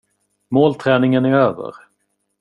Målträningen är över.